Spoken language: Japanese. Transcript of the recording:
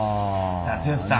さあ剛さん。